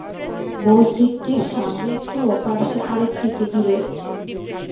মসজিদটির সামনে একটি ও পার্শ্বে আরেকটি দিঘী রয়েছে।